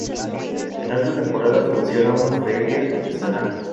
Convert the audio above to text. En alta temporada funciona una feria artesanal.